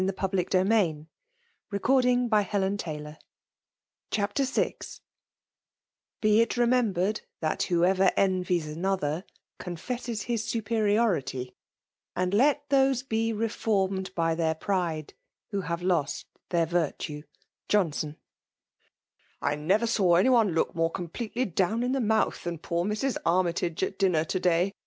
They had proved thdnselyeB nobler than herselfl CHAPTER VL Be it remembered that whoever envies aotfther, eonfcMes his superiority ; and let those be leformed by their priile, who have lost their virtue. Johnson. ''I NEVKR saw any one look more completely down in the mouth than poor Mrs. Armytage at dinner to day